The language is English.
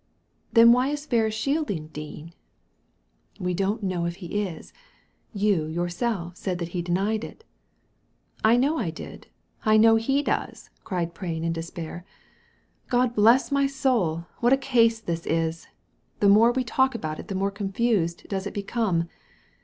" Then why is Ferris shielding Dean ?"" We don't know if he is ; you, yourself, said that he denied it" *' I know I did ; I know he does !" cried Frain, in despair. " God bless my soul, what a case this is I The more we talk about it the more confused does it become.